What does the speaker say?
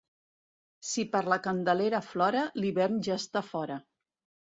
Si per la Candelera flora, l'hivern ja està fora.